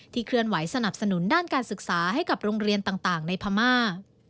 เคลื่อนไหวสนับสนุนด้านการศึกษาให้กับโรงเรียนต่างในพม่า